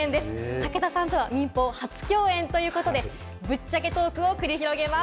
武田さんとは民放初共演ということで、ぶっちゃけトークを繰り広げます。